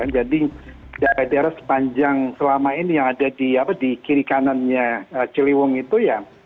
jadi daerah daerah sepanjang selama ini yang ada di kiri kanannya ciliwung itu ya